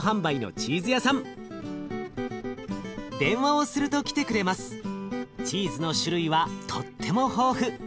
チーズの種類はとっても豊富。